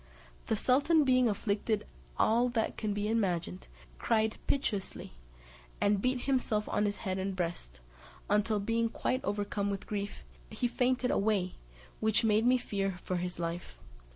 The sultan being afflicted all that can be imagined, cried piteously, and beat himself on his head and breast, until being quite overcome with grief, he fainted away, which made me fear for his life.